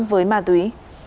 với ma túy